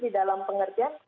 di dalam pengerja